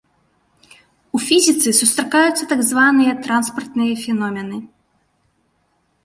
У фізіцы сустракаюцца так званыя транспартныя феномены.